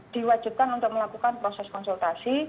diwajibkan untuk melakukan proses konsultasi